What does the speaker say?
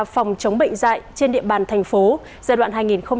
phòng chống bệnh dạy trên địa bàn thành phố giai đoạn hai nghìn hai mươi hai hai nghìn ba mươi